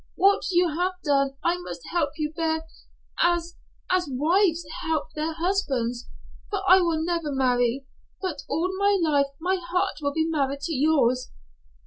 What you have done I must help you bear as as wives help their husbands for I will never marry; but all my life my heart will be married to yours."